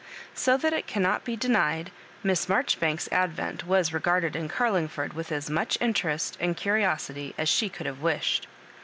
So that it cannot be denied Miss Marjoribanks's advent was re garded in Garlingford with as much interest and curiosity as she could have wished.